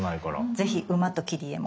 ぜひ馬と切り絵も。